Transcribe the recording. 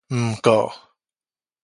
毋過